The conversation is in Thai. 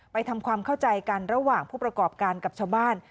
ทำความเข้าใจกันระหว่างผู้ประกอบการกับชาวบ้าน